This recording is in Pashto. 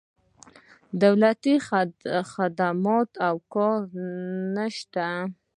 دولتي خدمات او کار نه شته.